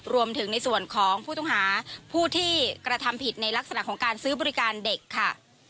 รวมถึงในส่วนของผู้ต้องหาผู้ที่กระทำผิดในลักษณะของการซื้อบริการเด็กค่ะ